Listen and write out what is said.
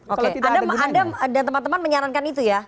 oke anda dan teman teman menyarankan itu ya